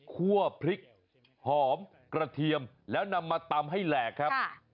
พริกหอมกระเทียมแล้วนำมาตำให้แหลกครับ